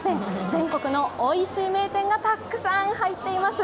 全国のおいしい名店がたくさん入っています。